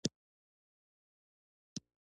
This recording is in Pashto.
د پښو د سپینولو لپاره د رومي بانجان اوبه وکاروئ